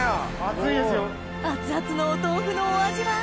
熱々のお豆腐のお味は？